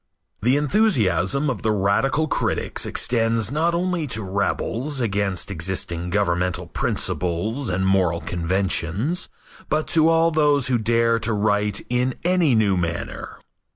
The enthusiasm of the radical critics extends not only to rebels against existing governmental principles and moral conventions, but to all those who dare to write in any new manner.